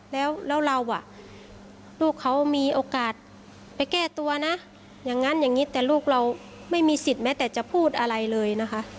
แล้วเราอ่ะลูกเขามีโอกาสไปแก้ตัวนะอย่างนั้นอย่างนี้แต่ลูกเราไม่มีสิทธิ์แม้แต่จะพูดอะไรเลยนะคะ